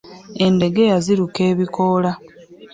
Endegeya ziruka ebikoola.